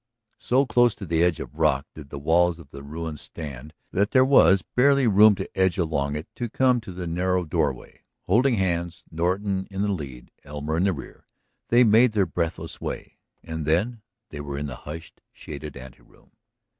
So close to the edge of the rock ledge did the walls of the ruin stand that there was barely room to edge along it to come to the narrow doorway. Holding hands, Norton in the lead, Elmer in the rear, they made their breathless way. And then they were in the hushed, shaded anteroom.